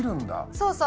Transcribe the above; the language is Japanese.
そうそう。